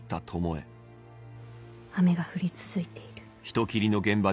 「雨が降り続いている」。